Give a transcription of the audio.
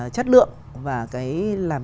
chất lượng và cái làm